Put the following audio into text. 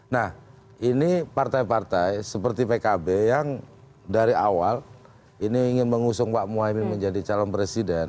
nah ini partai partai seperti pkb yang dari awal ini ingin mengusung pak muhaymin menjadi calon presiden